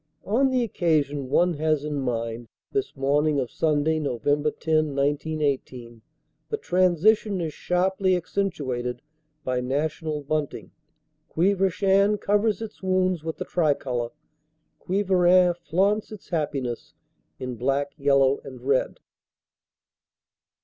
On the occasion one has in mind this morning of Sunday, Nov. 10, 1918 the transition is sharply accentuated by national bunting; Quievrechain covers its wounds with the tricolor, Quievrain flaunts its happiness in black, yellow and red.